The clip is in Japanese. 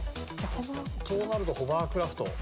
そうなるとホーバークラフト。